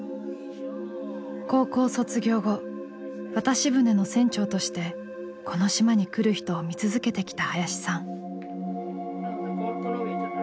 高校卒業後渡し船の船長としてこの島に来る人を見続けてきた林さん。